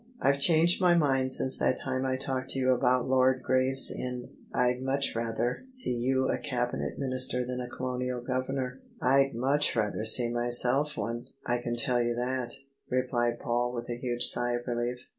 I've changed my mind since that time I talked to you about Lord Gravesend. I'd much rather see you a Cabinet Minister than a Colonial Governor." " I'd much rather see myself one, I can tell you that," replied Paul with a huge sigh of relief.